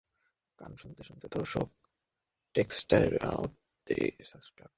গান শুনতে শুনতে দর্শক টেক্সটের অতীত সাবটেক্সটের অন্তর্গত ভূমিতে বিচরণ করে।